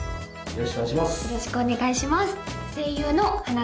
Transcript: よろしくお願いします